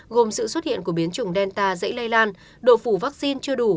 gồm sự xuất hiện của biến chủng delta dễ lây lan độ phủ vaccine chưa đủ